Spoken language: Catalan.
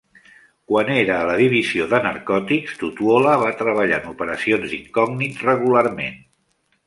Quan era a la divisió de narcòtics, Tutuola va treballar en operacions d'incògnit regularment.